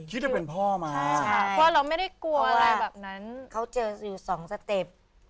คิดว่าเป็นพ่อมาพ่อเราไม่ได้กลัวอะไรแบบนั้นเขาเจออยู่สองสเต็ป